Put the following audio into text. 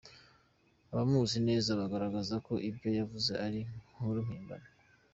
Abamuzi neza bagaragaza ko ibyo yavuze ari innkuru mpimbano.